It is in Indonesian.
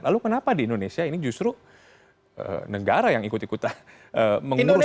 lalu kenapa di indonesia ini justru negara yang ikut ikutan mengurus